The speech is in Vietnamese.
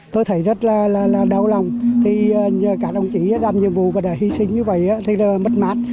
tôi thấy rất là đau lòng thì các đồng chí làm nhiệm vụ và hy sinh như vậy thì rất là mất mát